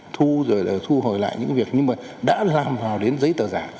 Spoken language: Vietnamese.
thu rồi là thu hồi lại những việc nhưng mà đã làm vào đến giấy tờ giả